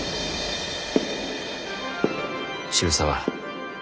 渋沢